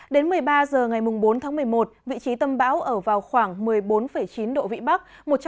đến một mươi ba h ngày bốn tháng một mươi một vị trí tâm bão ở vào khoảng một mươi bốn chín độ vĩ bắc